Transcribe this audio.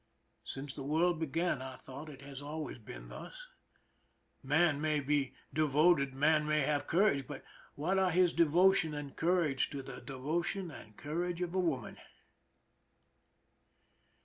Since the world began, I thought, it has always been thus. Man may be devoted, man may have courage, but what are his devotion and cour age to the devotion and courage of woman